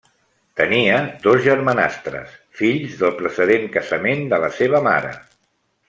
Tenia dos germanastres, fills del precedent casament de la seva mare.